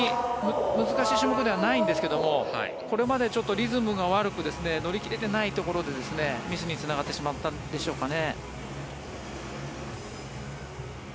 この種目は男子選手だと難しい種目ではないんですがこれまでリズムが悪く乗り切れてないところでミスにつながってしまったんでしょうかね。